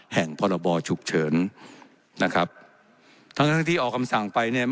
แห่งพรบฉุกเฉินนะครับทั้งทั้งที่ออกคำสั่งไปเนี่ย